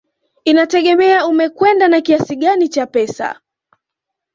Inategemea umekwenda na kiasi gani cha pesa